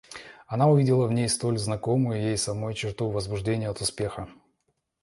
Она увидала в ней столь знакомую ей самой черту возбуждения от успеха.